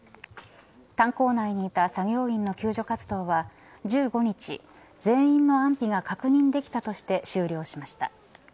炭坑内にいた作業員の救助活動は１５日全員の安否が確認できたとして終了しました。